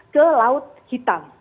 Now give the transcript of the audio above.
ke laut hitam